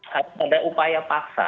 harus ada upaya paksa